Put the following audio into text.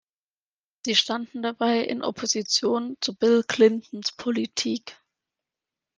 Sie standen dabei in Opposition zu Bill Clintons Politik.